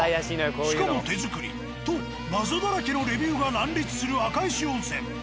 しかも手作り。と謎だらけのレビューが乱立する赤石温泉。